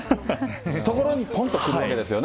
ところにぽんと来るわけですよね。